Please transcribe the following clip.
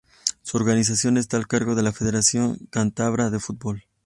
Su organización está a cargo de la Federación Cántabra de Fútbol.